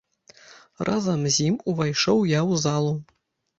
Разам з ім увайшоў я ў залу.